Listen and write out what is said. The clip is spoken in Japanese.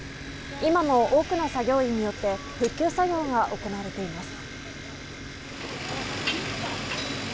今も多くの作業員によって復旧作業が行われています。